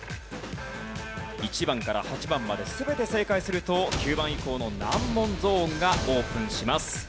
１番から８番まで全て正解すると９番以降の難問ゾーンがオープンします。